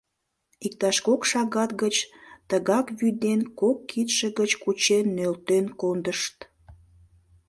Иктаж кок шагат гыч тыгак вӱден, кок кидше гыч кучен нӧлтен кондышт.